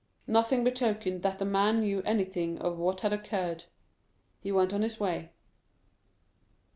Nothing betokened that the man knew anything of what had occurred. He went on his way.